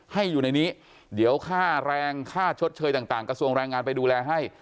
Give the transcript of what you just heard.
ให้อยู่ในนี้เดี๋ยวค่าแรงค่าชดเชยต่างกระทรวงแรงงานไปดูแลให้